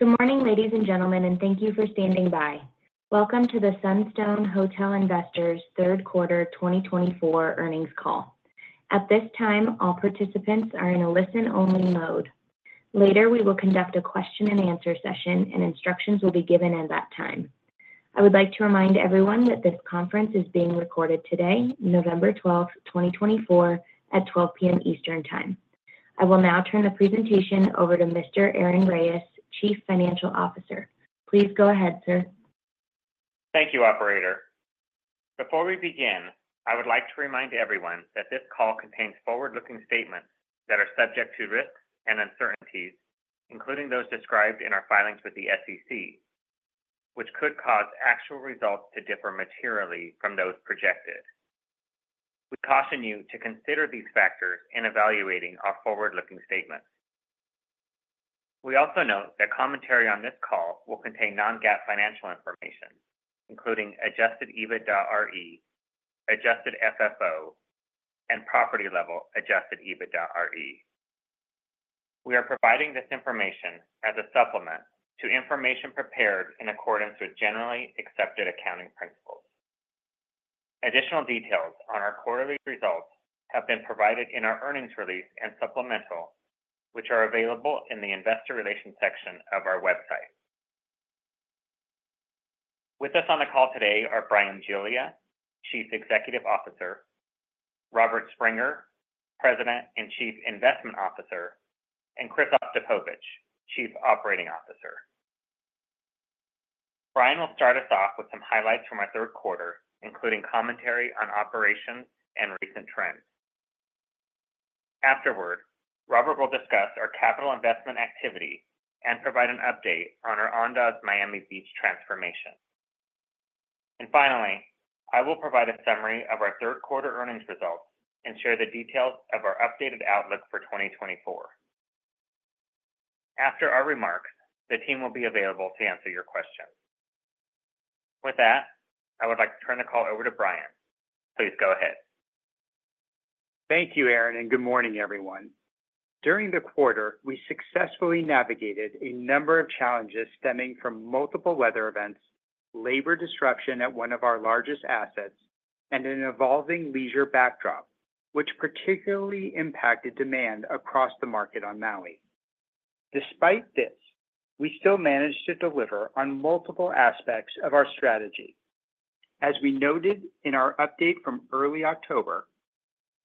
Good morning, ladies and gentlemen, and thank you for standing by. Welcome to the Sunstone Hotel Investors' Q3 2024 Earnings Call. At this time, all participants are in a listen-only mode. Later, we will conduct a Q&A, and instructions will be given at that time. I would like to remind everyone that this conference is being recorded today, November 12th, 2024, at 12:00 P.M. Eastern Time. I will now turn the presentation over to Mr. Aaron Reyes, Chief Financial Officer. Please go ahead, sir. Thank you, Operator. Before we begin, I would like to remind everyone that this call contains forward-looking statements that are subject to risks and uncertainties, including those described in our filings with the SEC, which could cause actual results to differ materially from those projected. We caution you to consider these factors in evaluating our forward-looking statements. We also note that commentary on this call will contain non-GAAP financial information, including adjusted EBITDAre, adjusted FFO, and property-level adjusted EBITDAre. We are providing this information as a supplement to information prepared in accordance with generally accepted accounting principles. Additional details on our quarterly results have been provided in our earnings release and supplemental, which are available in the Investor Relations section of our website. With us on the call today are Brian Giglia, Chief Executive Officer; Robert Springer, President and Chief Investment Officer; and Christopher Ostapovicz, Chief Operating Officer. Bryan will start us off with some highlights from our Q3, including commentary on operations and recent trends. Afterward, Robert will discuss our capital investment activity and provide an update on our Andaz Miami Beach transformation. And finally, I will provide a summary of our Q3 earnings results and share the details of our updated outlook for 2024. After our remarks, the team will be available to answer your questions. With that, I would like to turn the call over to Bryan. Please go ahead. Thank you, Aaron, and good morning, everyone. During the quarter, we successfully navigated a number of challenges stemming from multiple weather events, labor disruption at one of our largest assets, and an evolving leisure backdrop, which particularly impacted demand across the market on Maui. Despite this, we still managed to deliver on multiple aspects of our strategy. As we noted in our update from early October,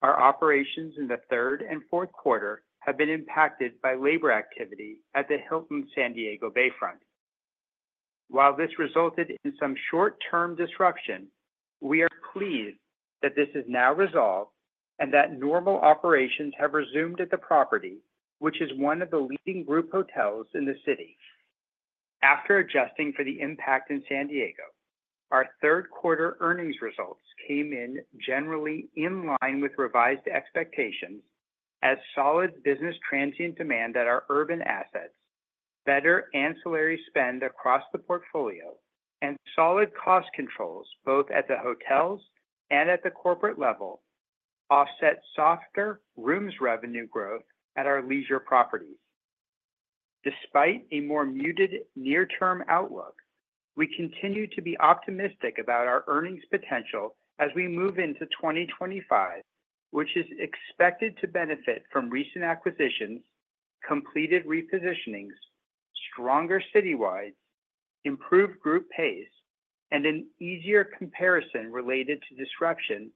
our operations in the third and Q4 have been impacted by labor activity at the Hilton San Diego Bayfront. While this resulted in some short-term disruption, we are pleased that this is now resolved and that normal operations have resumed at the property, which is one of the leading group hotels in the city. After adjusting for the impact in San Diego, our Q3 earnings results came in generally in line with revised expectations, as solid business transient demand at our urban assets, better ancillary spend across the portfolio, and solid cost controls both at the hotels and at the corporate level offset softer rooms revenue growth at our leisure properties. Despite a more muted near-term outlook, we continue to be optimistic about our earnings potential as we move into 2025, which is expected to benefit from recent acquisitions, completed repositionings, stronger citywides, improved group pace, and an easier comparison related to disruption,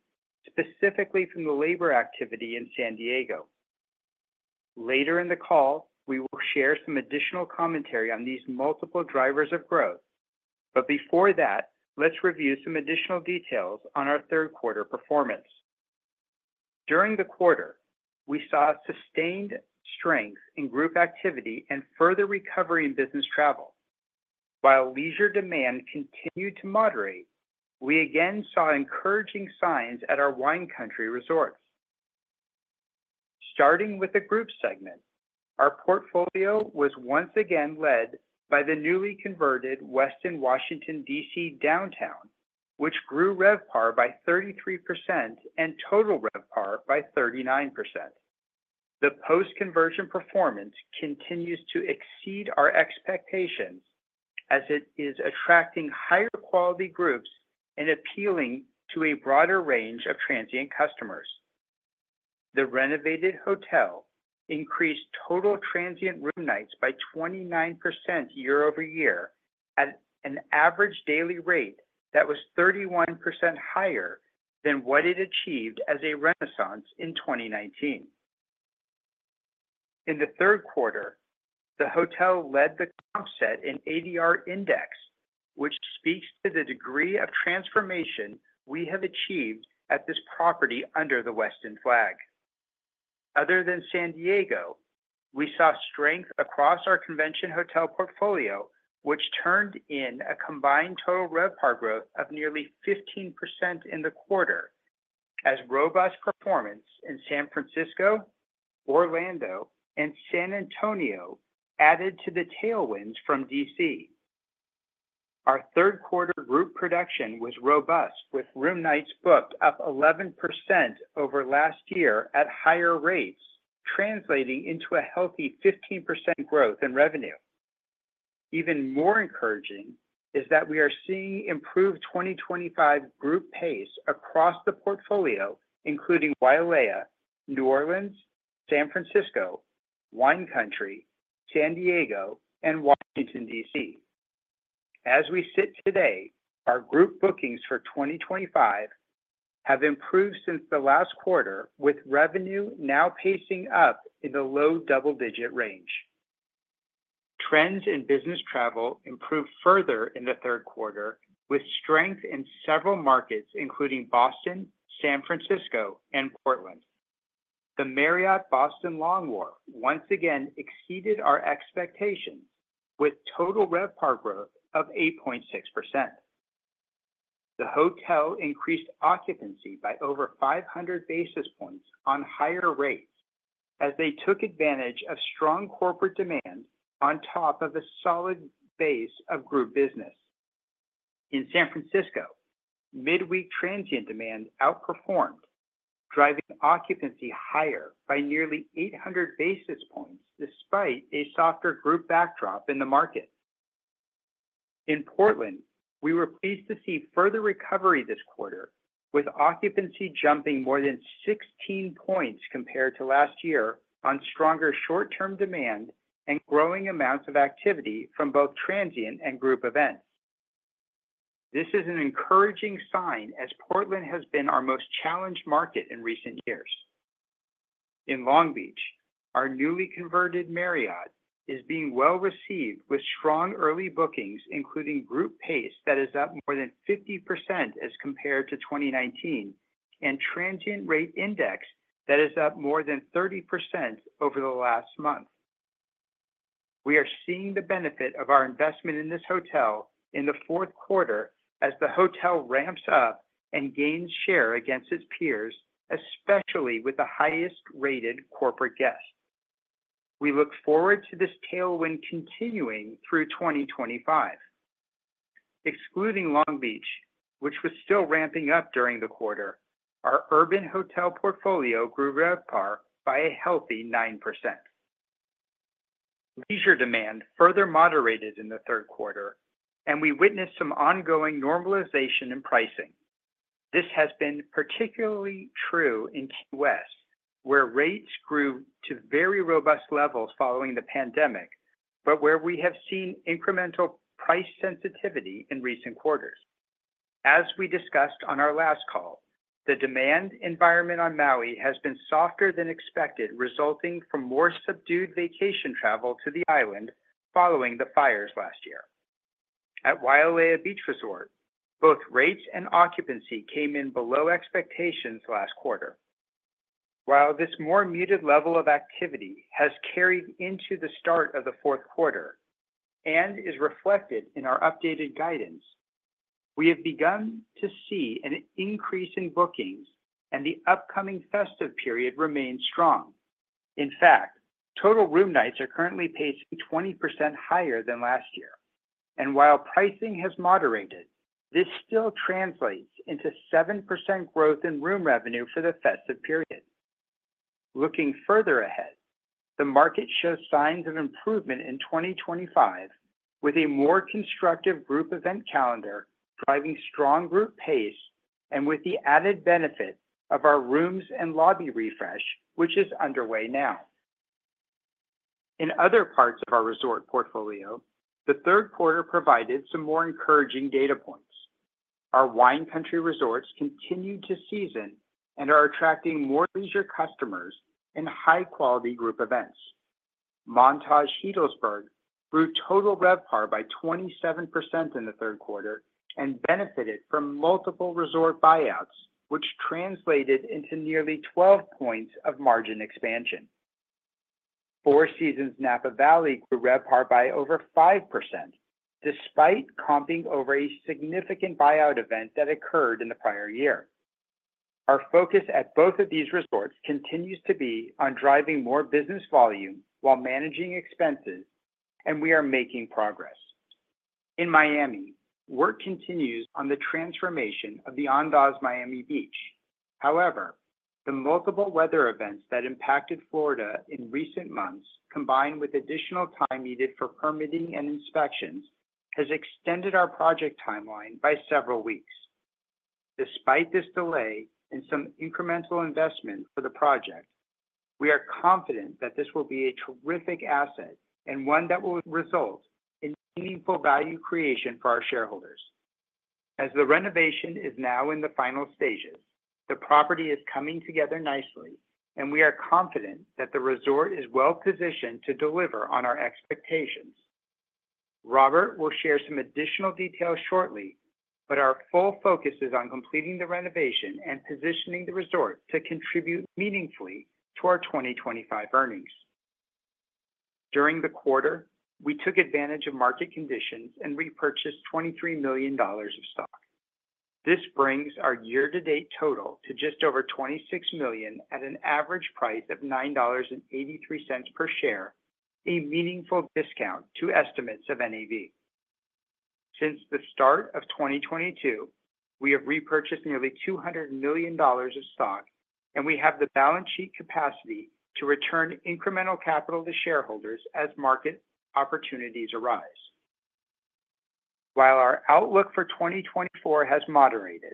specifically from the labor activity in San Diego. Later in the call, we will share some additional commentary on these multiple drivers of growth, but before that, let's review some additional details on our Q3 performance. During the quarter, we saw sustained strength in group activity and further recovery in business travel. While leisure demand continued to moderate, we again saw encouraging signs at our Wine Country resorts. Starting with the group segment, our portfolio was once again led by the newly converted Westin Washington, D.C. Downtown, which grew RevPAR by 33% and Total RevPAR by 39%. The post-conversion performance continues to exceed our expectations as it is attracting higher quality groups and appealing to a broader range of transient customers. The renovated hotel increased total transient room nights by 29% year over year at an average daily rate that was 31% higher than what it achieved as a Renaissance in 2019. In the Q3, the hotel led the comp set in ADR index, which speaks to the degree of transformation we have achieved at this property under the Westin flag. Other than San Diego, we saw strength across our convention hotel portfolio, which turned in a combined Total RevPAR growth of nearly 15% in the quarter, as robust performance in San Francisco, Orlando, and San Antonio added to the tailwinds from D.C. Our Q3 group production was robust, with room nights booked up 11% over last year at higher rates, translating into a healthy 15% growth in revenue. Even more encouraging is that we are seeing improved 2025 group pace across the portfolio, including Wailea, New Orleans, San Francisco, wine country, San Diego, and Washington, D.C. As we sit today, our group bookings for 2025 have improved since the last quarter, with revenue now pacing up in the low double-digit range. Trends in business travel improved further in the Q3, with strength in several markets, including Boston, San Francisco, and Portland. The Marriott Boston Long Wharf once again exceeded our expectations, with Total RevPAR growth of 8.6%. The hotel increased occupancy by over 500 basis points on higher rates as they took advantage of strong corporate demand on top of a solid base of group business. In San Francisco, midweek transient demand outperformed, driving occupancy higher by nearly 800 basis points despite a softer group backdrop in the market. In Portland, we were pleased to see further recovery this quarter, with occupancy jumping more than 16 points compared to last year on stronger short-term demand and growing amounts of activity from both transient and group events. This is an encouraging sign as Portland has been our most challenged market in recent years. In Long Beach, our newly converted Marriott is being well received with strong early bookings, including group pace that is up more than 50% as compared to 2019, and transient rate index that is up more than 30% over the last month. We are seeing the benefit of our investment in this hotel in the Q4 as the hotel ramps up and gains share against its peers, especially with the highest-rated corporate guests. We look forward to this tailwind continuing through 2025. Excluding Long Beach, which was still ramping up during the quarter, our urban hotel portfolio grew RevPAR by a healthy 9%. Leisure demand further moderated in the Q3, and we witnessed some ongoing normalization in pricing. This has been particularly true in Key West, where rates grew to very robust levels following the pandemic, but where we have seen incremental price sensitivity in recent quarters. As we discussed on our last call, the demand environment on Maui has been softer than expected, resulting from more subdued vacation travel to the island following the fires last year. At Wailea Beach Resort, both rates and occupancy came in below expectations last quarter. While this more muted level of activity has carried into the start of the Q4 and is reflected in our updated guidance, we have begun to see an increase in bookings, and the upcoming festive period remains strong. In fact, total room nights are currently pacing 20% higher than last year, and while pricing has moderated, this still translates into 7% growth in room revenue for the festive period. Looking further ahead, the market shows signs of improvement in 2025, with a more constructive group event calendar driving strong group pace and with the added benefit of our rooms and lobby refresh, which is underway now. In other parts of our resort portfolio, the Q3 provided some more encouraging data points. Our wine country resorts continue to season and are attracting more leisure customers and high-quality group events. Montage Healdsburg grew Total RevPAR by 27% in the Q3 and benefited from multiple resort buyouts, which translated into nearly 12 points of margin expansion. Four Seasons Napa Valley grew RevPAR by over 5% despite comping over a significant buyout event that occurred in the prior year. Our focus at both of these resorts continues to be on driving more business volume while managing expenses, and we are making progress. In Miami, work continues on the transformation of the Andaz Miami Beach. However, the multiple weather events that impacted Florida in recent months, combined with additional time needed for permitting and inspections, has extended our project timeline by several weeks. Despite this delay and some incremental investment for the project, we are confident that this will be a terrific asset and one that will result in meaningful value creation for our shareholders. As the renovation is now in the final stages, the property is coming together nicely, and we are confident that the resort is well positioned to deliver on our expectations. Robert will share some additional details shortly, but our full focus is on completing the renovation and positioning the resort to contribute meaningfully to our 2025 earnings. During the quarter, we took advantage of market conditions and repurchased $23 million of stock. This brings our year-to-date total to just over $26 million at an average price of $9.83 per share, a meaningful discount to estimates of NAV. Since the start of 2022, we have repurchased nearly $200 million of stock, and we have the balance sheet capacity to return incremental capital to shareholders as market opportunities arise. While our outlook for 2024 has moderated,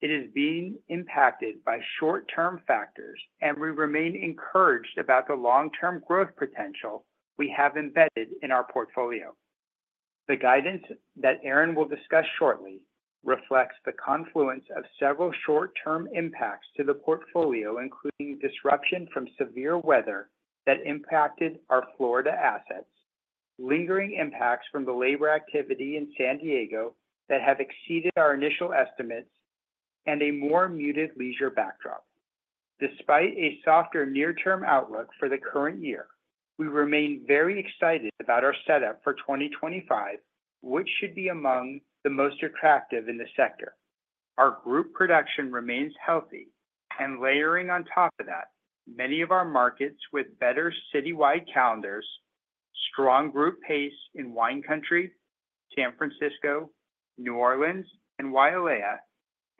it is being impacted by short-term factors, and we remain encouraged about the long-term growth potential we have embedded in our portfolio. The guidance that Aaron will discuss shortly reflects the confluence of several short-term impacts to the portfolio, including disruption from severe weather that impacted our Florida assets, lingering impacts from the labor activity in San Diego that have exceeded our initial estimates, and a more muted leisure backdrop. Despite a softer near-term outlook for the current year, we remain very excited about our setup for 2025, which should be among the most attractive in the sector. Our group production remains healthy, and layering on top of that, many of our markets with better citywide calendars, strong group pace in wine country, San Francisco, New Orleans, and Wailea,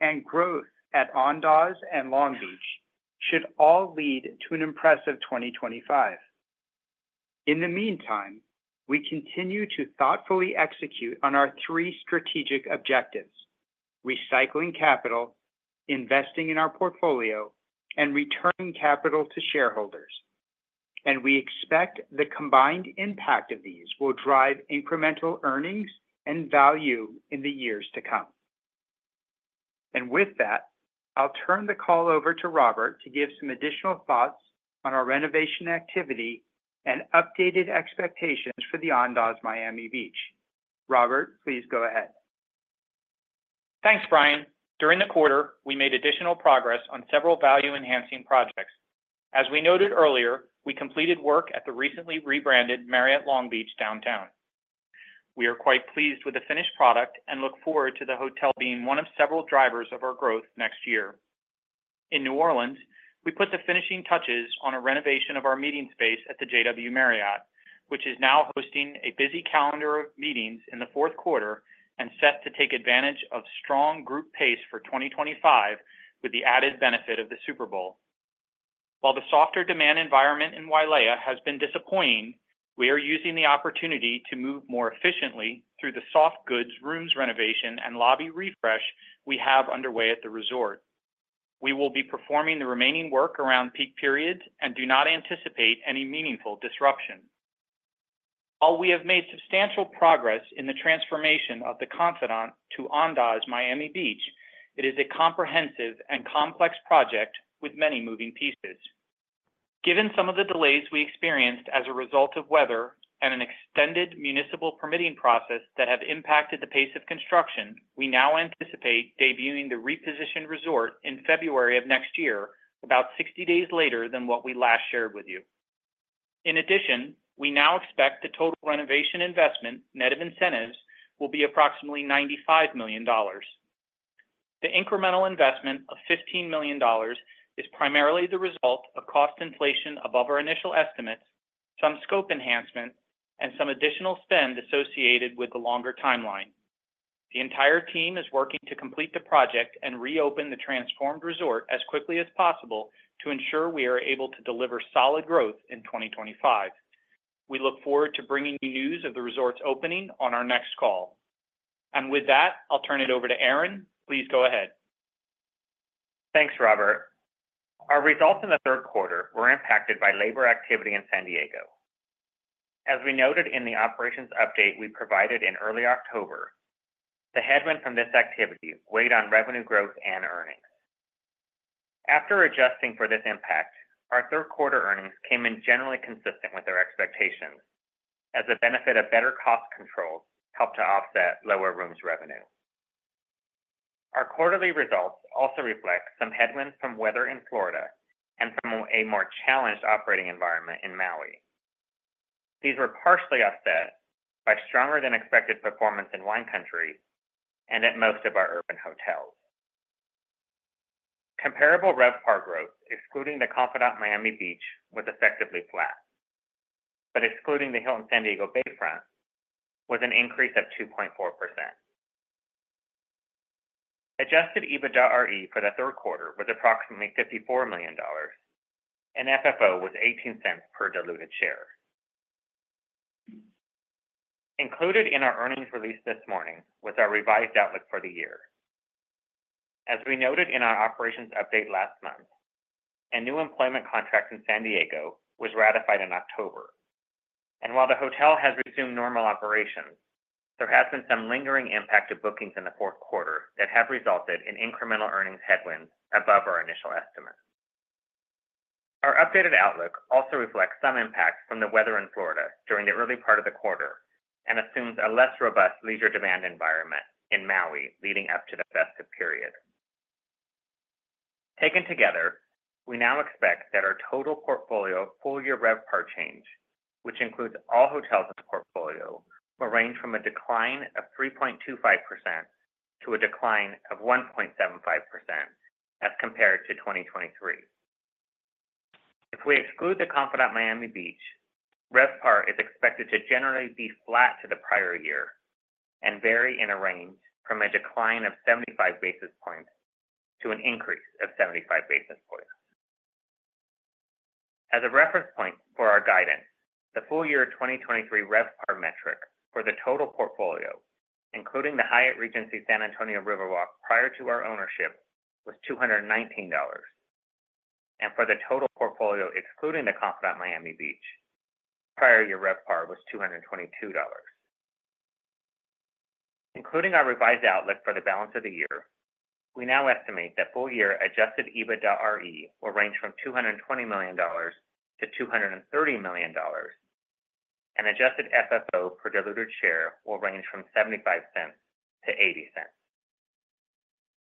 and growth at Andaz and Long Beach should all lead to an impressive 2025. In the meantime, we continue to thoughtfully execute on our three strategic objectives: recycling capital, investing in our portfolio, and returning capital to shareholders. And we expect the combined impact of these will drive incremental earnings and value in the years to come. And with that, I'll turn the call over to Robert to give some additional thoughts on our renovation activity and updated expectations for the Andaz Miami Beach. Robert, please go ahead. Thanks, Bryan. During the quarter, we made additional progress on several value-enhancing projects. As we noted earlier, we completed work at the recently rebranded Marriott Long Beach Downtown. We are quite pleased with the finished product and look forward to the hotel being one of several drivers of our growth next year. In New Orleans, we put the finishing touches on a renovation of our meeting space at the JW Marriott, which is now hosting a busy calendar of meetings in the Q4 and set to take advantage of strong group pace for 2025 with the added benefit of the Super Bowl. While the softer demand environment in Wailea has been disappointing, we are using the opportunity to move more efficiently through the soft goods rooms renovation and lobby refresh we have underway at the resort. We will be performing the remaining work around peak periods and do not anticipate any meaningful disruption. While we have made substantial progress in the transformation of the Confidante to Andaz Miami Beach, it is a comprehensive and complex project with many moving pieces. Given some of the delays we experienced as a result of weather and an extended municipal permitting process that have impacted the pace of construction, we now anticipate debuting the repositioned resort in February of next year, about 60 days later than what we last shared with you. In addition, we now expect the total renovation investment, net of incentives, will be approximately $95 million. The incremental investment of $15 million is primarily the result of cost inflation above our initial estimates, some scope enhancements, and some additional spend associated with the longer timeline. The entire team is working to complete the project and reopen the transformed resort as quickly as possible to ensure we are able to deliver solid growth in 2025. We look forward to bringing you news of the resort's opening on our next call. And with that, I'll turn it over to Aaron. Please go ahead. Thanks, Robert. Our results in the Q3 were impacted by labor activity in San Diego. As we noted in the operations update we provided in early October, the headwind from this activity weighed on revenue growth and earnings. After adjusting for this impact, our Q3 earnings came in generally consistent with our expectations, as the benefit of better cost controls helped to offset lower rooms revenue. Our quarterly results also reflect some headwinds from weather in Florida and from a more challenged operating environment in Maui. These were partially offset by stronger-than-expected performance in wine country and at most of our urban hotels. Comparable RevPAR growth, excluding The Confidante Miami Beach, was effectively flat. But excluding the Hilton San Diego Bayfront, was an increase of 2.4%. Adjusted EBITDAre for the Q3 was approximately $54 million, and FFO was $0.18 per diluted share. Included in our earnings released this morning was our revised outlook for the year. As we noted in our operations update last month, a new employment contract in San Diego was ratified in October. While the hotel has resumed normal operations, there has been some lingering impact of bookings in the Q4 that have resulted in incremental earnings headwinds above our initial estimates. Our updated outlook also reflects some impact from the weather in Florida during the early part of the quarter and assumes a less robust leisure demand environment in Maui leading up to the festive period. Taken together, we now expect that our total portfolio full-year RevPAR change, which includes all hotels in the portfolio, will range from a decline of 3.25% to a decline of 1.75% as compared to 2023. If we exclude The Confidante Miami Beach, RevPAR is expected to generally be flat to the prior year and vary in a range from a decline of 75 basis points to an increase of 75 basis points. As a reference point for our guidance, the full-year 2023 RevPAR metric for the total portfolio, including the Hyatt Regency San Antonio Riverwalk prior to our ownership, was $219. And for the total portfolio excluding the Confidante Miami Beach, prior-year RevPAR was $222. Including our revised outlook for the balance of the year, we now estimate that full-year Adjusted EBITDAre will range from $220 million-$230 million, and adjusted FFO per diluted share will range from $0.75-$0.80.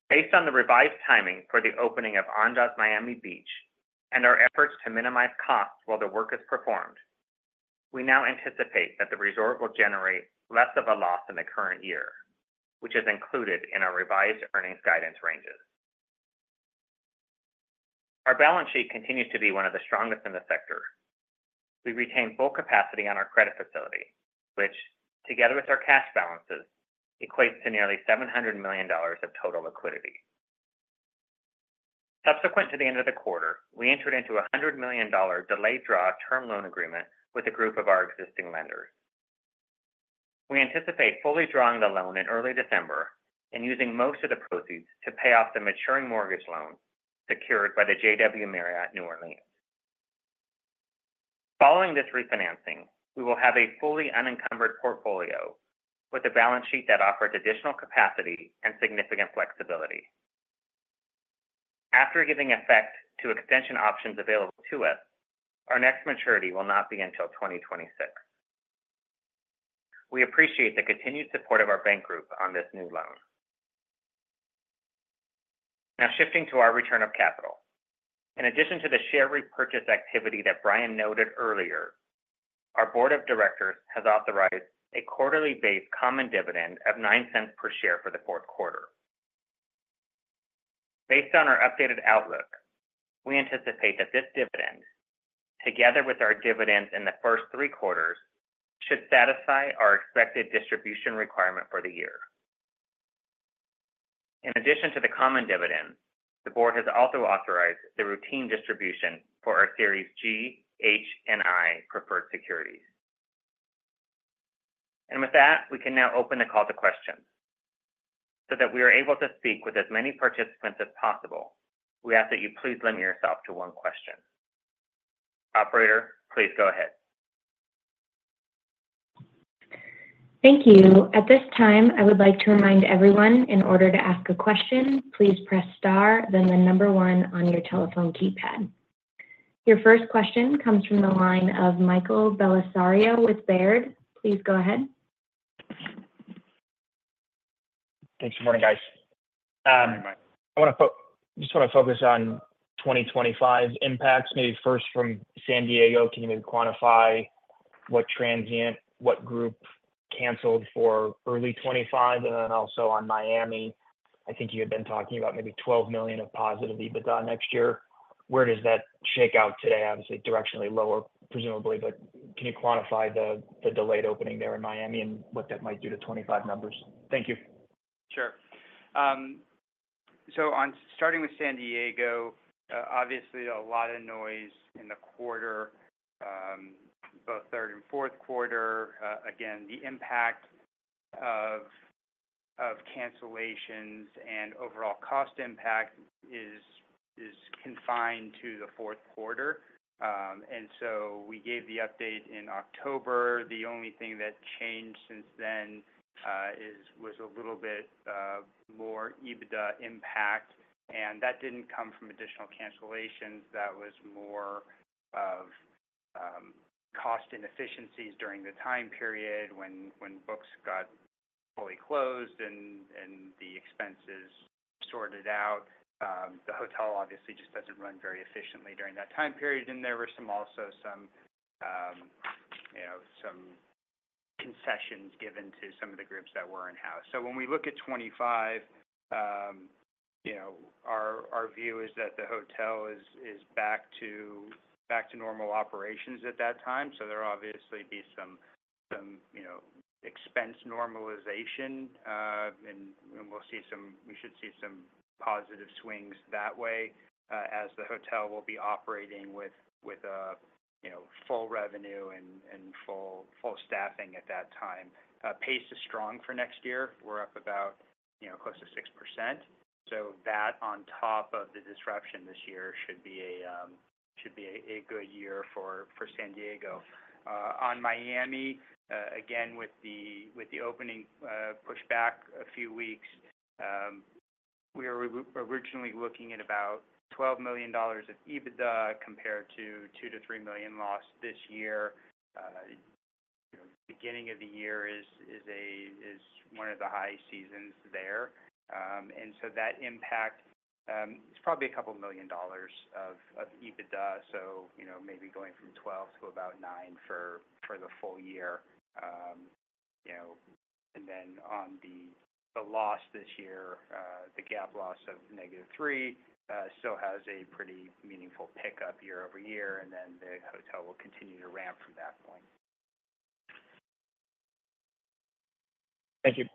Based on the revised timing for the opening of Andaz Miami Beach and our efforts to minimize costs while the work is performed, we now anticipate that the resort will generate less of a loss than the current year, which is included in our revised earnings guidance ranges. Our balance sheet continues to be one of the strongest in the sector. We retain full capacity on our credit facility, which, together with our cash balances, equates to nearly $700 million of total liquidity. Subsequent to the end of the quarter, we entered into a $100 million delayed draw term loan agreement with a group of our existing lenders. We anticipate fully drawing the loan in early December and using most of the proceeds to pay off the maturing mortgage loan secured by the JW Marriott New Orleans. Following this refinancing, we will have a fully unencumbered portfolio with a balance sheet that offers additional capacity and significant flexibility. After giving effect to extension options available to us, our next maturity will not be until 2026. We appreciate the continued support of our bank group on this new loan. Now shifting to our return of capital. In addition to the share repurchase activity that Bryan noted earlier, our board of directors has authorized a quarterly-based common dividend of $0.09 per share for the Q4. Based on our updated outlook, we anticipate that this dividend, together with our dividends in the first three quarters, should satisfy our expected distribution requirement for the year. In addition to the common dividend, the board has also authorized the routine distribution for our Series G, H, and I preferred securities, and with that, we can now open the call to questions, so that we are able to speak with as many participants as possible. We ask that you please limit yourself to one question. Operator, please go ahead. Thank you. At this time, I would like to remind everyone, in order to ask a question, please press star, then the number one on your telephone keypad. Your first question comes from the line of Michael Bellisario with Baird. Please go ahead. Thanks. Good morning, guys. I want to just focus on 2025's impacts. Maybe first from San Diego, can you maybe quantify what transient, what group canceled for early 2025? And then also on Miami, I think you had been talking about maybe $12 million of positive EBITDA next year. Where does that shake out today? Obviously, it's directionally lower, presumably. But can you quantify the delayed opening there in Miami and what that might do to 2025 numbers? Thank you. Sure. So starting with San Diego, obviously, a lot of noise in the quarter, both third and Q4. Again, the impact of cancellations and overall cost impact is confined to the Q4. And so we gave the update in October. The only thing that changed since then was a little bit more EBITDA impact. And that didn't come from additional cancellations. That was more of cost inefficiencies during the time period when books got fully closed and the expenses sorted out. The hotel obviously just doesn't run very efficiently during that time period. There were also some concessions given to some of the groups that were in-house. When we look at 2025, our view is that the hotel is back to normal operations at that time. There will obviously be some expense normalization, and we should see some positive swings that way as the hotel will be operating with full revenue and full staffing at that time. Pace is strong for next year. We're up about close to 6%. That on top of the disruption this year should be a good year for San Diego. On Miami, again, with the opening pushback a few weeks, we were originally looking at about $12 million of EBITDA compared to $2 million-$3 million lost this year. Beginning of the year is one of the high seasons there. And so that impact, it's probably a couple of million dollars of EBITDA. So maybe going from $12 million to about $9 million for the full year. And then on the loss this year, the gap loss of negative $3 million still has a pretty meaningful pickup year over year. And then the hotel will continue to ramp from that point. Thank you.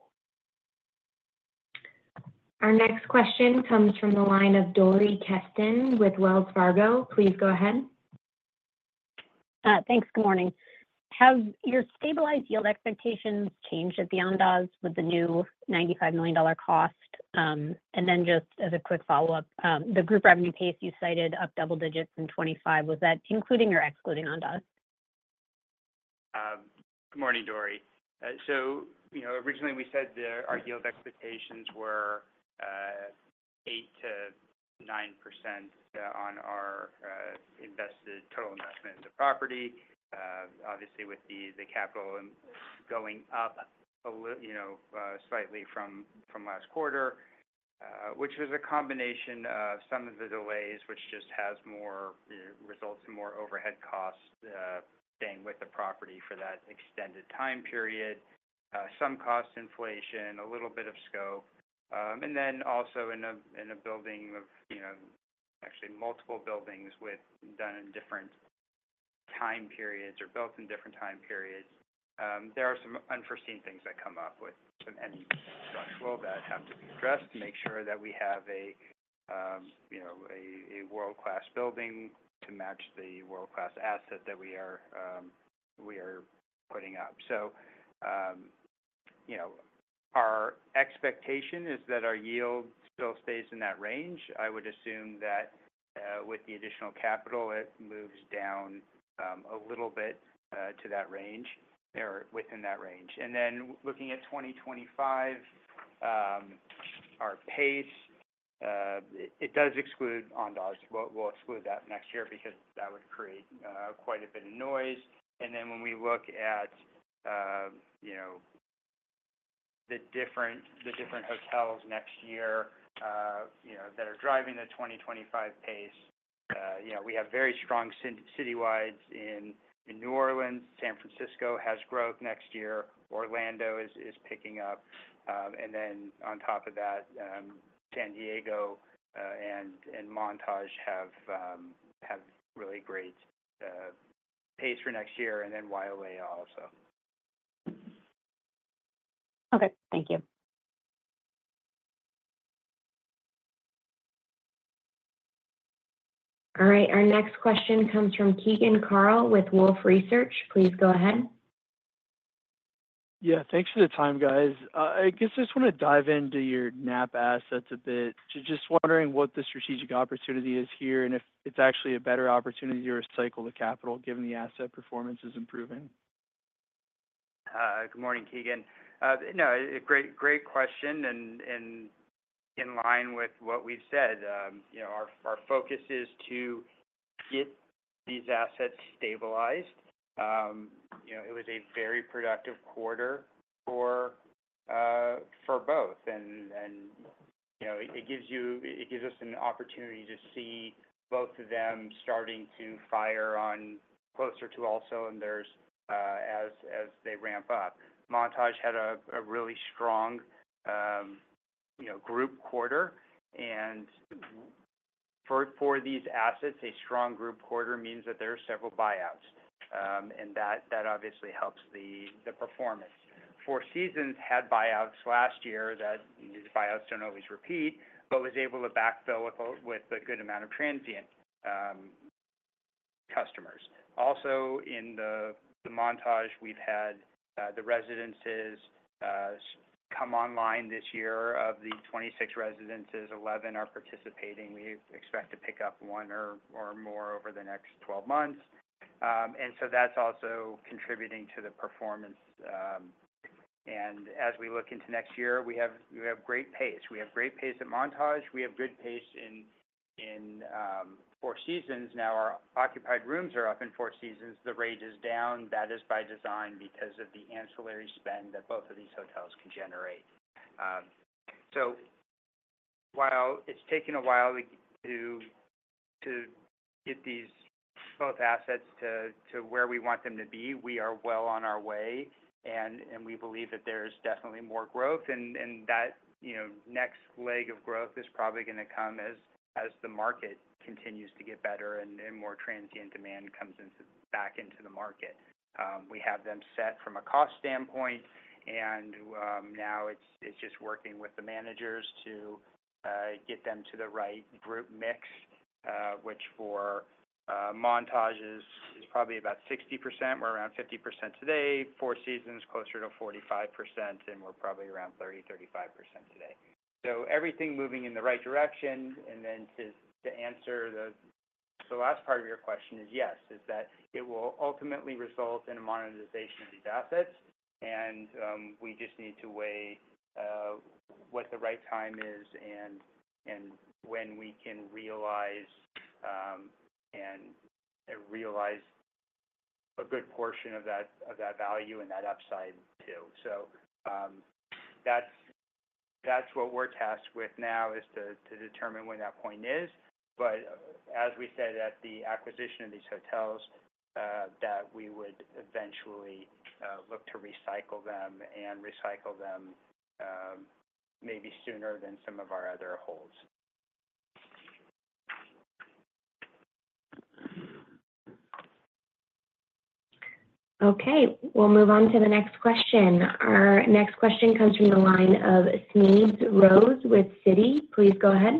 Our next question comes from the line of Dori Keston with Wells Fargo. Please go ahead. Thanks. Good morning. Have your stabilized yield expectations changed at the Andaz with the new $95 million cost? And then, just as a quick follow-up, the group revenue pace you cited up double digits in 2025. Was that including or excluding Andaz? Good morning, Dori. So originally, we said that our yield expectations were 8%-9% on our invested total investment in the property, obviously with the capital going up slightly from last quarter, which was a combination of some of the delays, which just has more results and more overhead costs staying with the property for that extended time period, some cost inflation, a little bit of scope. And then also, in a building of actually multiple buildings done in different time periods or built in different time periods, there are some unforeseen things that come up with some inherent structural that have to be addressed to make sure that we have a world-class building to match the world-class asset that we are putting up. So our expectation is that our yield still stays in that range. I would assume that with the additional capital, it moves down a little bit to that range or within that range. And then looking at 2025, our pace, it does exclude Andaz. We'll exclude that next year because that would create quite a bit of noise. And then when we look at the different hotels next year that are driving the 2025 pace, we have very strong citywides in New Orleans. San Francisco has growth next year. Orlando is picking up. And then on top of that, San Diego and Montage have really great pace for next year. And then Wailea also. Okay. Thank you. All right. Our next question comes from Keegan Carl with Wolfe Research. Please go ahead. Yeah. Thanks for the time, guys. I guess I just want to dive into your Napa assets a bit. Just wondering what the strategic opportunity is here and if it's actually a better opportunity to recycle the capital given the asset performance is improving. Good morning, Keegan. No, great question. And in line with what we've said, our focus is to get these assets stabilized. It was a very productive quarter for both. And it gives us an opportunity to see both of them starting to fire on closer to all cylinders as they ramp up. Montage had a really strong group quarter. And for these assets, a strong group quarter means that there are several buyouts. And that obviously helps the performance. Four Seasons had buyouts last year. These buyouts don't always repeat, but was able to backfill with a good amount of transient customers. Also, in the Montage, we've had the residences come online this year. Of the 26 residences, 11 are participating. We expect to pick up one or more over the next 12 months. And so that's also contributing to the performance. And as we look into next year, we have great pace. We have great pace at Montage. We have good pace in Four Seasons. Now, our occupied rooms are up in Four Seasons. The rate is down. That is by design because of the ancillary spend that both of these hotels can generate. So while it's taken a while to get these both assets to where we want them to be, we are well on our way. And we believe that there is definitely more growth. And that next leg of growth is probably going to come as the market continues to get better and more transient demand comes back into the market. We have them set from a cost standpoint. And now it's just working with the managers to get them to the right group mix, which for Montage is probably about 60%. We're around 50% today. Four Seasons closer to 45%. And we're probably around 30%-35% today. So everything moving in the right direction. And then to answer the last part of your question is yes, is that it will ultimately result in a monetization of these assets. And we just need to weigh what the right time is and when we can realize a good portion of that value and that upside too. So that's what we're tasked with now is to determine when that point is. But as we said at the acquisition of these hotels, that we would eventually look to recycle them and recycle them maybe sooner than some of our other holds. Okay. We'll move on to the next question. Our next question comes from the line of Smedes Rose with Citi. Please go ahead.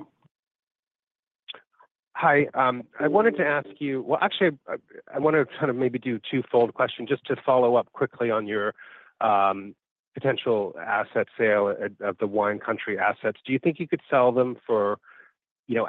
Hi. I wanted to ask you well, actually, I want to kind of maybe do a twofold question just to follow up quickly on your potential asset sale of the wine country assets. Do you think you could sell them for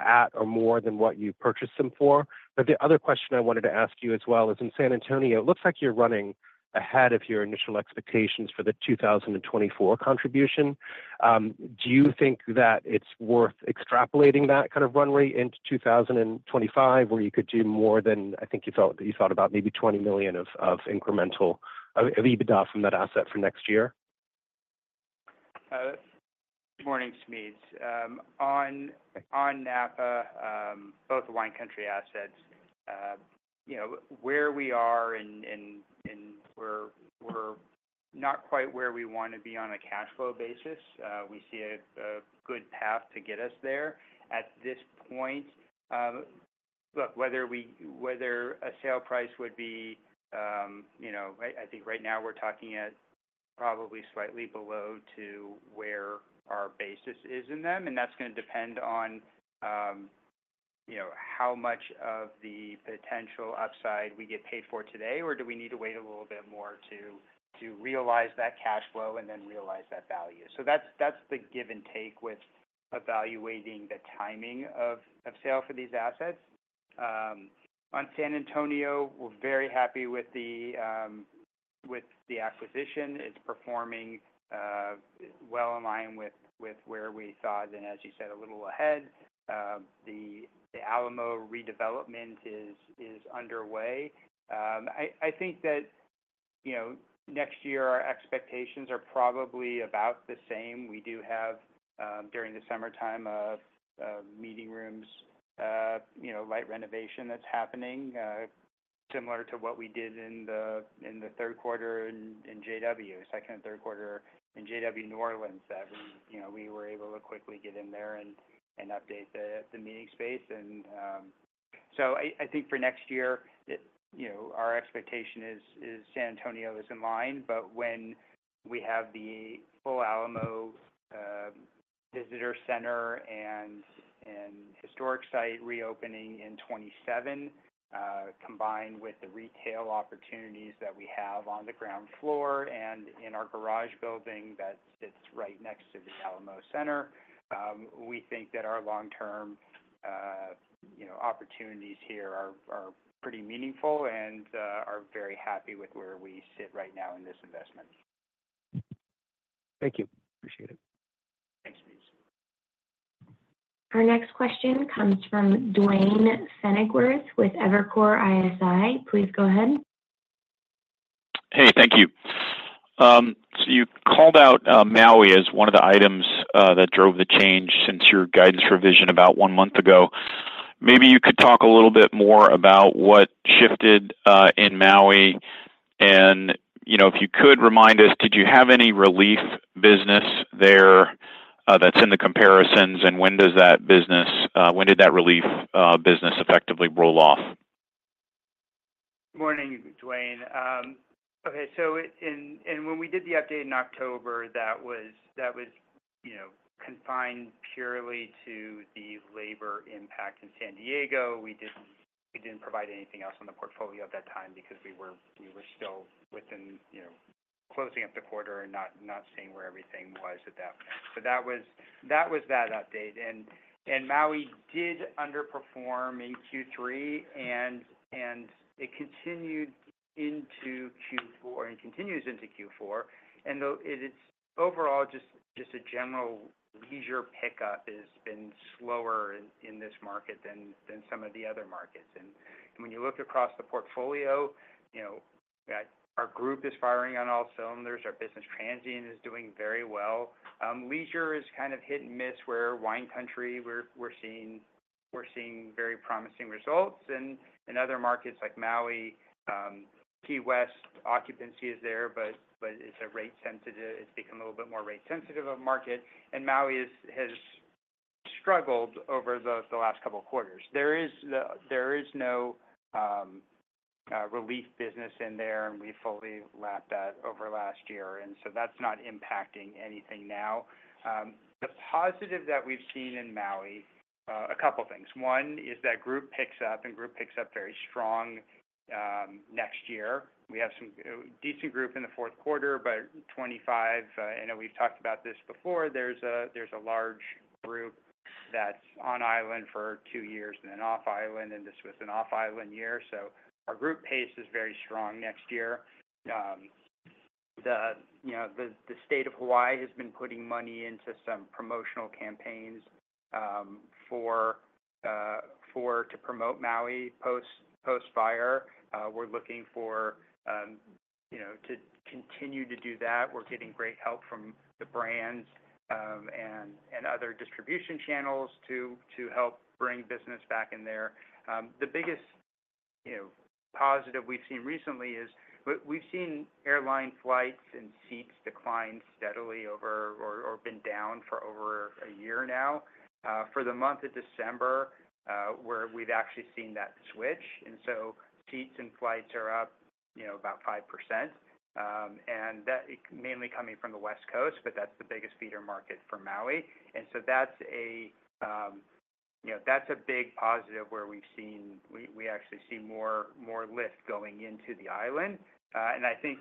at or more than what you purchased them for? But the other question I wanted to ask you as well is in San Antonio, it looks like you're running ahead of your initial expectations for the 2024 contribution. Do you think that it's worth extrapolating that kind of run rate into 2025 where you could do more than I think you thought about maybe $20 million of incremental EBITDA from that asset for next year? Good morning, Smedes. On Napa, both wine country assets, where we are and we're not quite where we want to be on a cash flow basis. We see a good path to get us there at this point. Look, whether a sale price would be I think right now we're talking at probably slightly below to where our basis is in them. And that's going to depend on how much of the potential upside we get paid for today, or do we need to wait a little bit more to realize that cash flow and then realize that value. That's the give and take with evaluating the timing of sale for these assets. On San Antonio, we're very happy with the acquisition. It's performing well in line with where we thought and, as you said, a little ahead. The Alamo redevelopment is underway. I think that next year, our expectations are probably about the same. We do have during the summertime of meeting rooms, light renovation that's happening similar to what we did in the Q3 in JW, second and Q3 in JW, New Orleans that we were able to quickly get in there and update the meeting space. And so I think for next year, our expectation is San Antonio is in line. But when we have the full Alamo Visitor Center and historic site reopening in 2027, combined with the retail opportunities that we have on the ground floor and in our garage building that sits right next to the Alamo Center, we think that our long-term opportunities here are pretty meaningful and are very happy with where we sit right now in this investment. Thank you. Appreciate it. Thanks, Smedes. Our next question comes from Duane Pfennigwerth with Evercore ISI. Please go ahead. Hey, thank you. So you called out Maui as one of the items that drove the change since your guidance revision about one month ago. Maybe you could talk a little bit more about what shifted in Maui. And if you could remind us, did you have any relief business there that's in the comparisons? And when did that relief business effectively roll off? Good morning, Duane. Okay. So when we did the update in October, that was confined purely to the labor impact in San Diego. We didn't provide anything else on the portfolio at that time because we were still within closing up the quarter and not seeing where everything was at that point. So that was that update. And Maui did underperform in Q3, and it continued into Q4 and continues into Q4. And overall, just a general leisure pickup has been slower in this market than some of the other markets. And when you look across the portfolio, our group is firing on all cylinders. Our business transient is doing very well. Leisure is kind of hit and miss where wine country we're seeing very promising results. And in other markets like Maui, Key West occupancy is there, but it's a rate sensitive. It's become a little bit more rate sensitive of a market. Maui has struggled over the last couple of quarters. There is no relief business in there, and we fully lapped that over last year. And so that's not impacting anything now. The positive that we've seen in Maui, a couple of things. One is that group picks up, and group picks up very strong next year. We have some decent group in the Q4, but 2025. I know we've talked about this before. There's a large group that's on island for two years and then off island, and this was an off island year. So our group pace is very strong next year. The state of Hawaii has been putting money into some promotional campaigns to promote Maui post-fire. We're looking for to continue to do that. We're getting great help from the brands and other distribution channels to help bring business back in there. The biggest positive we've seen recently is we've seen airline flights and seats decline steadily, however, been down for over a year now. For the month of December, we've actually seen that switch. So seats and flights are up about 5%. And that is mainly coming from the West Coast, but that's the biggest feeder market for Maui. And so that's a big positive where we've seen, we actually see more lift going into the island. And I think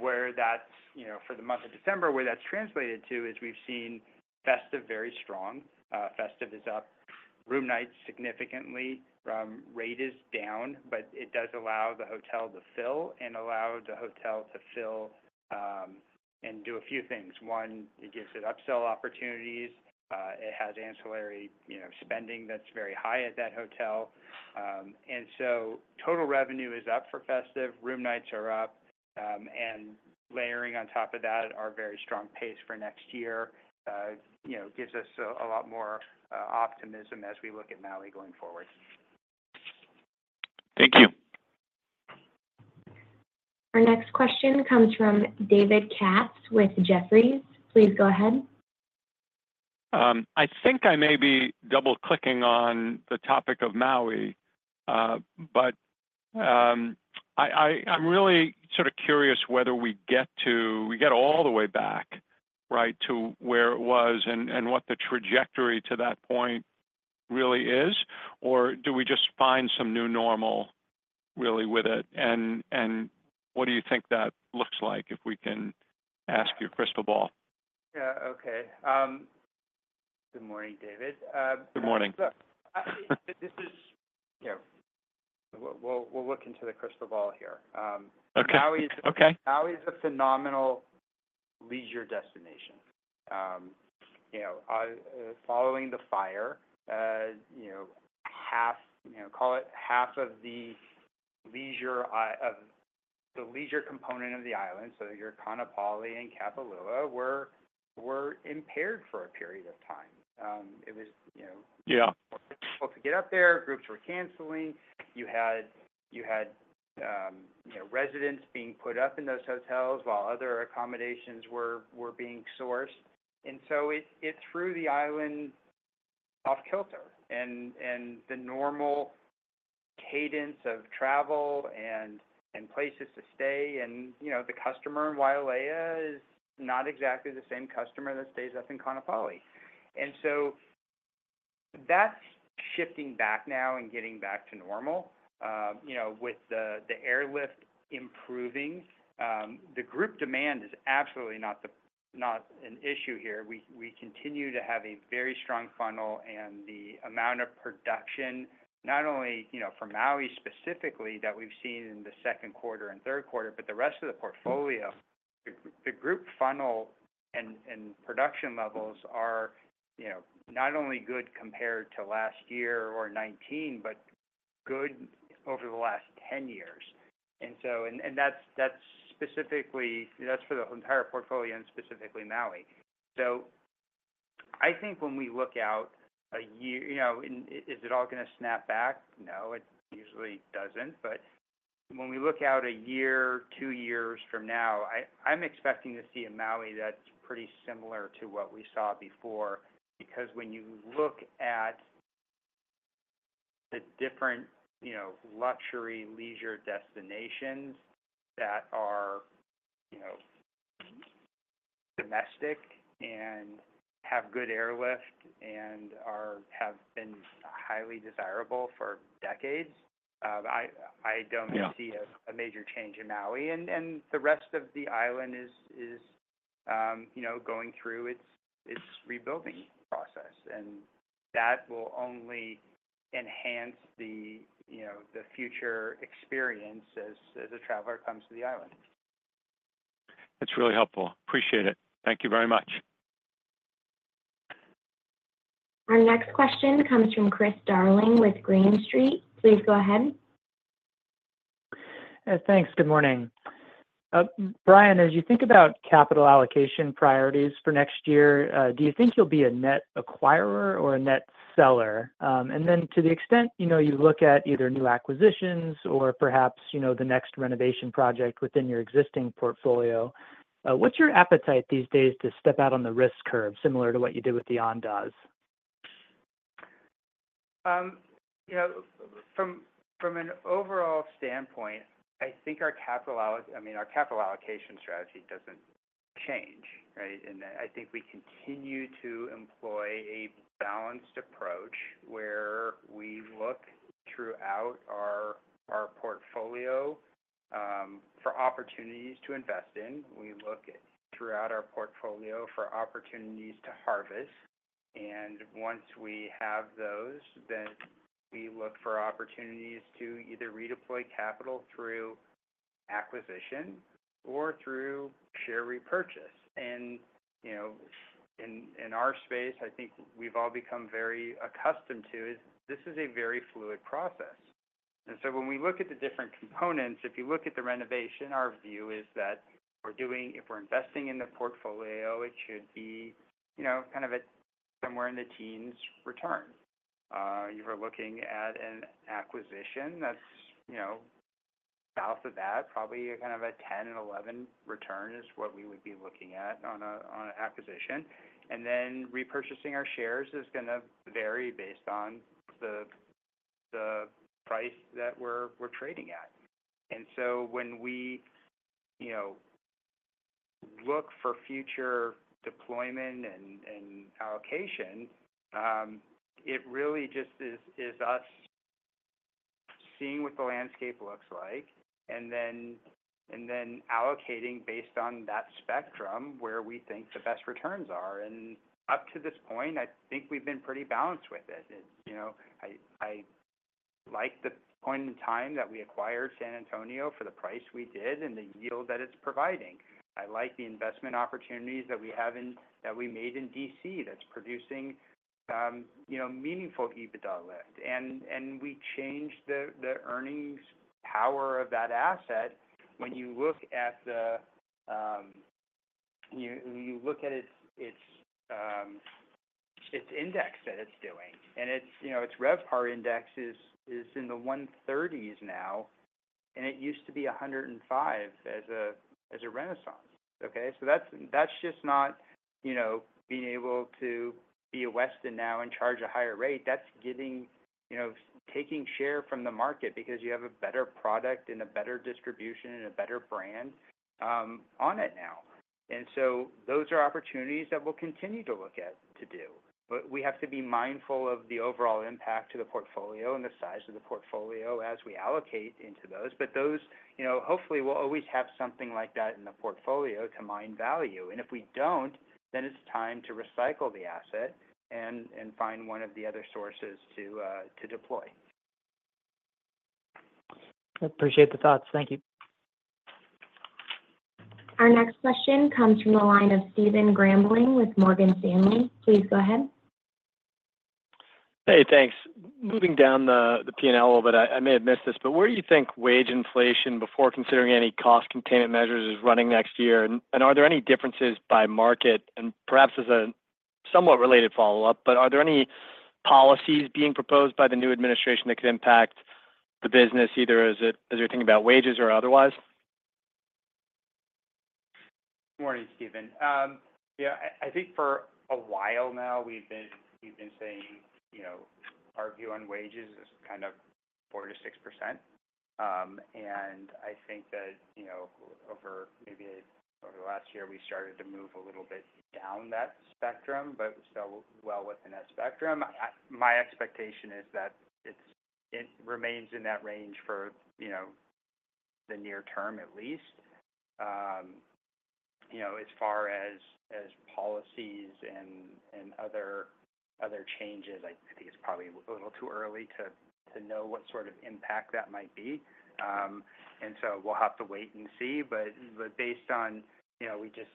that, for the month of December, that's translated to is we've seen RevPAR very strong. RevPAR is up. Room nights significantly, rate is down, but it does allow the hotel to fill and do a few things. One, it gives it upsell opportunities. It has ancillary spending that's very high at that hotel. And so total revenue is up for Wailea. Room nights are up. And layering on top of that, our very strong pace for next year gives us a lot more optimism as we look at Maui going forward. Thank you. Our next question comes from David Katz with Jefferies. Please go ahead. I think I may be double-clicking on the topic of Maui, but I'm really sort of curious whether we get all the way back, right, to where it was and what the trajectory to that point really is, or do we just find some new normal really with it? And what do you think that looks like if we can ask your crystal ball? Yeah. Okay. Good morning, David. Good morning. Look, we'll look into the crystal ball here. Maui is a phenomenal leisure destination. Following the fire, half, call it half, of the leisure component of the island, so your Kaanapali and Kapalua were impaired for a period of time. It was difficult to get up there. Groups were canceling. You had residents being put up in those hotels while other accommodations were being sourced, and so it threw the island off kilter, and the normal cadence of travel and places to stay and the customer in Wailea is not exactly the same customer that stays up in Kaanapali, and so that's shifting back now and getting back to normal. With the airlift improving, the group demand is absolutely not an issue here. We continue to have a very strong funnel and the amount of production, not only for Maui specifically that we've seen in the Q2 and Q3, but the rest of the portfolio. The group funnel and production levels are not only good compared to last year or '19, but good over the last 10 years. And so that's specifically for the entire portfolio and specifically Maui. So I think when we look out a year, is it all going to snap back? No, it usually doesn't. But when we look out a year, two years from now, I'm expecting to see a Maui that's pretty similar to what we saw before because when you look at the different luxury leisure destinations that are domestic and have good airlift and have been highly desirable for decades, I don't see a major change in Maui. The rest of the island is going through its rebuilding process. That will only enhance the future experience as a traveler comes to the island. That's really helpful. Appreciate it. Thank you very much. Our next question comes from Chris Darling with Green Street. Please go ahead. Thanks. Good morning. Brian, as you think about capital allocation priorities for next year, do you think you'll be a net acquirer or a net seller? And then to the extent you look at either new acquisitions or perhaps the next renovation project within your existing portfolio, what's your appetite these days to step out on the risk curve similar to what you did with the Andaz? From an overall standpoint, I think our capital I mean, our capital allocation strategy doesn't change, right? I think we continue to employ a balanced approach where we look throughout our portfolio for opportunities to invest in. We look throughout our portfolio for opportunities to harvest. And once we have those, then we look for opportunities to either redeploy capital through acquisition or through share repurchase. And in our space, I think we've all become very accustomed to this is a very fluid process. And so when we look at the different components, if you look at the renovation, our view is that if we're investing in the portfolio, it should be kind of somewhere in the teens return. If we're looking at an acquisition, that's south of that, probably kind of a 10 and 11 return is what we would be looking at on an acquisition. And then repurchasing our shares is going to vary based on the price that we're trading at. And so when we look for future deployment and allocation, it really just is us seeing what the landscape looks like and then allocating based on that spectrum where we think the best returns are. And up to this point, I think we've been pretty balanced with it. I like the point in time that we acquired San Antonio for the price we did and the yield that it's providing. I like the investment opportunities that we made in DC that's producing meaningful EBITDA lift. And we changed the earnings power of that asset when you look at its index that it's doing. And its RevPAR index is in the 130s now, and it used to be 105 as a Renaissance. Okay? So that's just not being able to be a Westin now and charge a higher rate. That's taking share from the market because you have a better product and a better distribution and a better brand on it now. And so those are opportunities that we'll continue to look at to do. But we have to be mindful of the overall impact to the portfolio and the size of the portfolio as we allocate into those. But those, hopefully, we'll always have something like that in the portfolio to mine value. And if we don't, then it's time to recycle the asset and find one of the other sources to deploy. Appreciate the thoughts. Thank you. Our next question comes from the line of Stephen Grambling with Morgan Stanley. Please go ahead. Hey, thanks. Moving down the P&L a little bit, I may have missed this, but where do you think wage inflation before considering any cost containment measures is running next year? Are there any differences by market? Perhaps as a somewhat related follow-up, but are there any policies being proposed by the new administration that could impact the business, either as you're thinking about wages or otherwise? Good morning, Stephen. Yeah, I think for a while now, we've been saying our view on wages is kind of 4%-6%. And I think that over maybe over the last year, we started to move a little bit down that spectrum, but still well within that spectrum. My expectation is that it remains in that range for the near term at least. As far as policies and other changes, I think it's probably a little too early to know what sort of impact that might be. And so we'll have to wait and see. Based on, we just,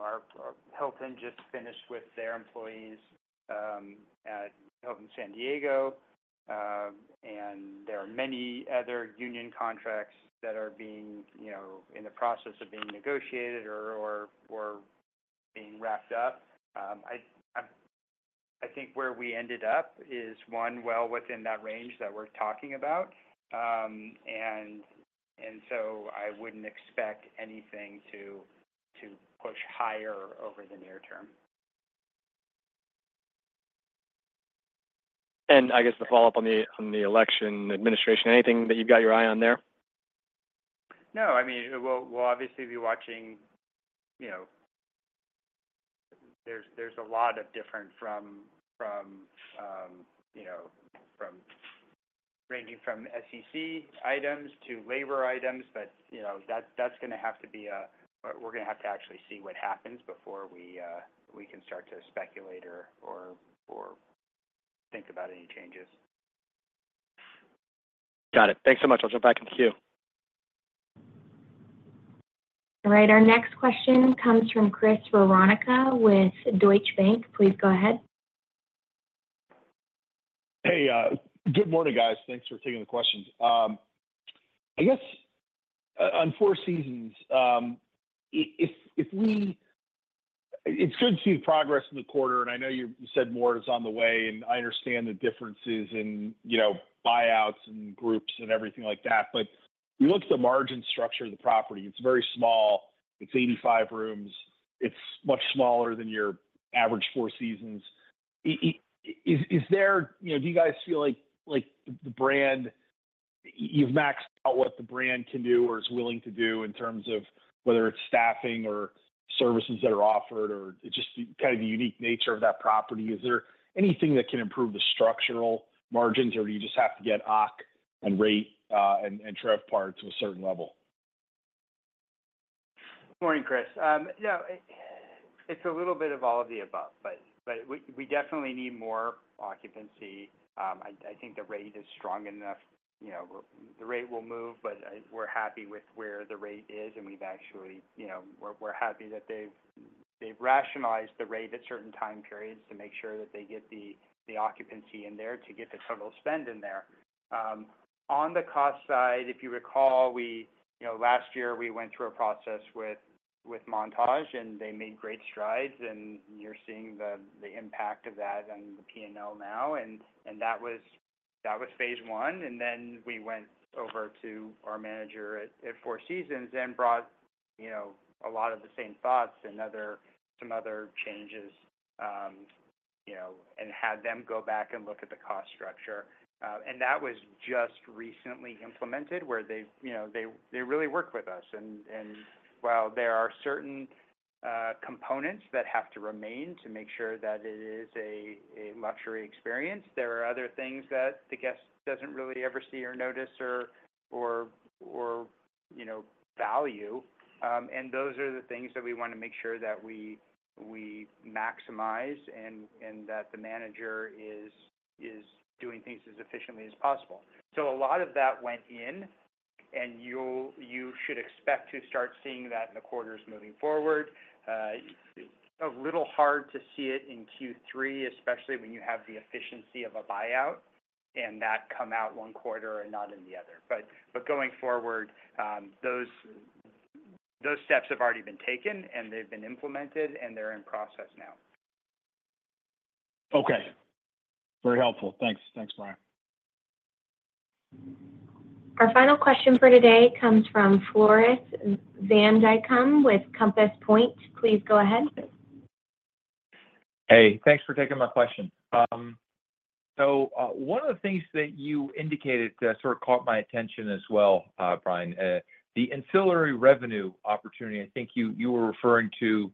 our Hilton just finished with their employees at Hilton San Diego Bayfront. There are many other union contracts that are being in the process of being negotiated or being wrapped up. I think where we ended up is, one, well within that range that we're talking about. So I wouldn't expect anything to push higher over the near term. I guess the follow-up on the election administration, anything that you've got your eye on there? No, I mean, we'll obviously be watching. There's a lot of different items ranging from SEC items to labor items, but that's going to have to be a we're going to have to actually see what happens before we can start to speculate or think about any changes. Got it. Thanks so much. I'll jump back into Q. All right. Our next question comes from Chris Woronka with Deutsche Bank. Please go ahead. Hey, good morning, guys. Thanks for taking the questions. I guess on Four Seasons, if we—it's good to see the progress in the quarter. And I know you said more is on the way, and I understand the differences in buyouts and groups and everything like that. But you look at the margin structure of the property. It's very small. It's 85 rooms. It's much smaller than your average Four Seasons. Is there—do you guys feel like the brand you've maxed out what the brand can do or is willing to do in terms of whether it's staffing or services that are offered or just kind of the unique nature of that property? Is there anything that can improve the structural margins, or do you just have to get Occ and Rate and RevPAR to a certain level? Good morning, Chris. No, it's a little bit of all of the above, but we definitely need more occupancy.I think the rate is strong enough. The rate will move, but we're happy with where the rate is, and we've actually, we're happy that they've rationalized the rate at certain time periods to make sure that they get the occupancy in there to get the total spend in there. On the cost side, if you recall, last year, we went through a process with Montage, and they made great strides, and you're seeing the impact of that on the P&L now. That was phase one, and then we went over to our manager at Four Seasons and brought a lot of the same thoughts and some other changes and had them go back and look at the cost structure. That was just recently implemented where they really worked with us. And while there are certain components that have to remain to make sure that it is a luxury experience, there are other things that the guest doesn't really ever see or notice or value. And those are the things that we want to make sure that we maximize and that the manager is doing things as efficiently as possible. So a lot of that went in, and you should expect to start seeing that in the quarters moving forward. A little hard to see it in Q3, especially when you have the efficiency of a buyout and that come out one quarter and not in the other. But going forward, those steps have already been taken, and they've been implemented, and they're in process now. Okay. Very helpful. Thanks. Thanks, Brian. Our final question for today comes from Floris Van Dijkum with Compass Point. Please go ahead. Hey, thanks for taking my question. So one of the things that you indicated that sort of caught my attention as well, Brian, the ancillary revenue opportunity. I think you were referring to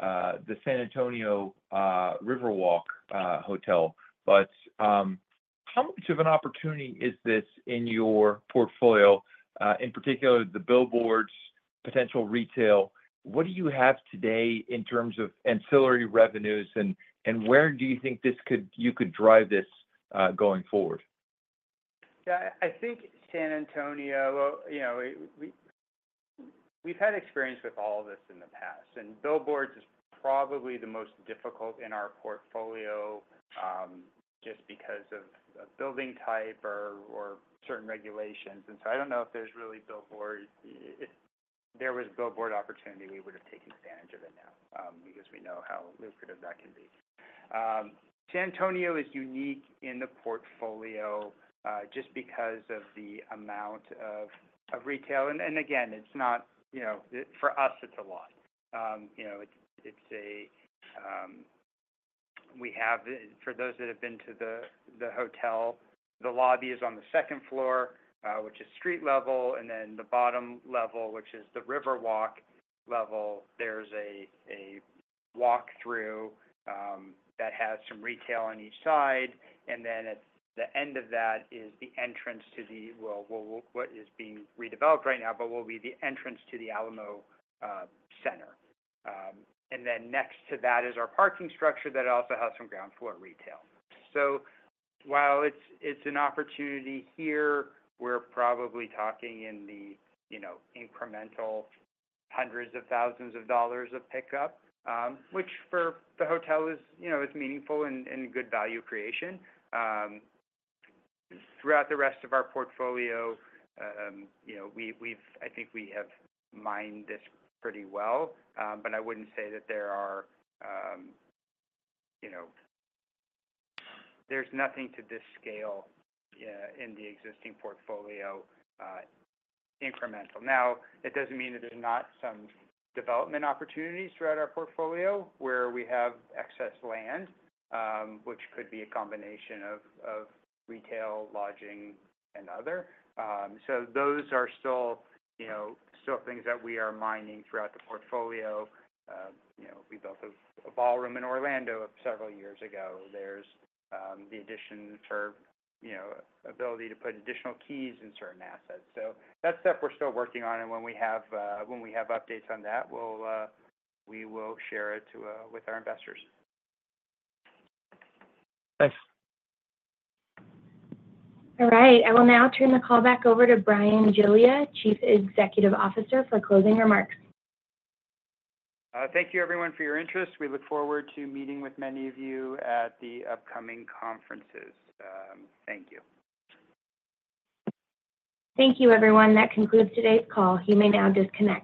the San Antonio Riverwalk Hotel. But how much of an opportunity is this in your portfolio, in particular the billboards, potential retail? What do you have today in terms of ancillary revenues, and where do you think you could drive this going forward? Yeah, I think San Antonio we've had experience with all of this in the past. And billboards is probably the most difficult in our portfolio just because of building type or certain regulations. And so I don't know if there's really billboard. If there was a billboard opportunity, we would have taken advantage of it now because we know how lucrative that can be. San Antonio is unique in the portfolio just because of the amount of retail, and again, it's not for us, it's a lot. It's, we have for those that have been to the hotel, the lobby is on the second floor, which is street level, and then the bottom level, which is the Riverwalk level. There's a walk-through that has some retail on each side, and then at the end of that is the entrance to the, what is being redeveloped right now, but will be the entrance to the Alamo Center. And then next to that is our parking structure that also has some ground floor retail, so while it's an opportunity here, we're probably talking in the incremental hundreds of thousands of dollars of pickup, which for the hotel is meaningful and good value creation. Throughout the rest of our portfolio, I think we have mined this pretty well. But I wouldn't say that there's nothing to this scale in the existing portfolio incremental. Now, it doesn't mean that there's not some development opportunities throughout our portfolio where we have excess land, which could be a combination of retail, lodging, and other. So those are still things that we are mining throughout the portfolio. We built a ballroom in Orlando several years ago. There's the addition for ability to put additional keys in certain assets. So that's stuff we're still working on. And when we have updates on that, we will share it with our investors. Thanks. All right. I will now turn the call back over to Bryan Giglia, Chief Executive Officer, for closing remarks. Thank you, everyone, for your interest. We look forward to meeting with many of you at the upcoming conferences. Thank you. Thank you, everyone. That concludes today's call. You may now disconnect.